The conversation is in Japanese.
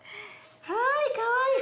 はいかわいい。